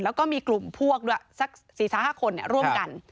แล้วก็มีกลุ่มพวกด้วยสัก๔๕คนร่วมกัน